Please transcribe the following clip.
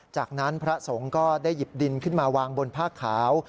จากนั้นพระสงฆ์ก็ได้หยิบดินขึ้นมาวางบนผ้าขาว